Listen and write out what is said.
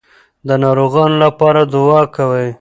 د ناروغانو لپاره دعا کوئ.